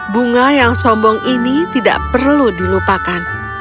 bunga yang sombong ini tidak perlu dilupakan